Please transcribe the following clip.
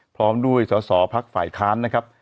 พร้อมด้วยสาวภักดิ์ฝ่ายค้านนะครับ